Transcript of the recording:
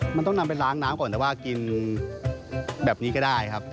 มันต้องนำไปล้างน้ำก่อนแต่ว่ากินแบบนี้ก็ได้ครับ